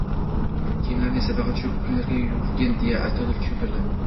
Kiyimlarini esa faqat shu kukunlarga yuvgin,-deya astoydil tushuntirdi